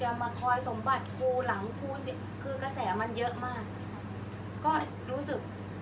อันไหนที่มันไม่จริงแล้วอาจารย์อยากพูด